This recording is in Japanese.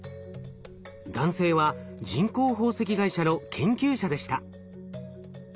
男性は人工宝石会社の研究者でした。